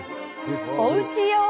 おうち用。